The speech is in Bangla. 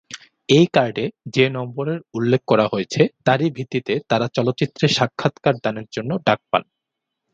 এই কার্ডে যে নম্বরের উল্লেখ করা হয়েছে, তারই ভিত্তিতে তারা চলচ্চিত্রে সাক্ষাৎকার দানের জন্য ডাক পান।